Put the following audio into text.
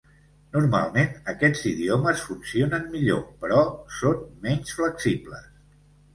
Normalment, aquests idiomes funcionen millor, però són menys flexibles.